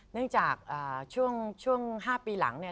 เนื่องจากช่วง๕ปีหลังเนี่ย